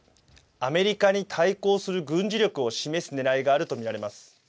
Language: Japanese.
アメリカに対抗する軍事力を示すねらいがあると見られます。